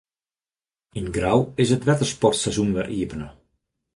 Yn Grou is it wettersportseizoen wer iepene.